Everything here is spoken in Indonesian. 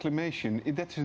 pembangunan tidak perlu